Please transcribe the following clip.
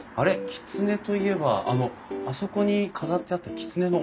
きつねといえばあのあそこに飾ってあったきつねのお面。